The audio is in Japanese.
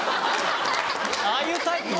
ああいうタイプ？